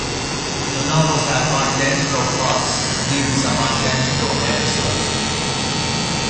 The novels have identical plots and even some identical episodes.